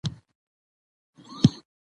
بارتر سیستم څه ته وایي؟